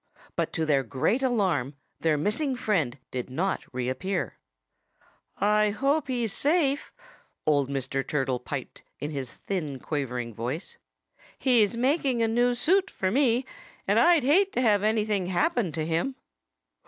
But to their great alarm, their missing friend did not reappear. "I hope he's safe," old Mr. Turtle piped in his thin, quavering voice. "He's making a new suit for me; and I'd hate to have anything happen to him."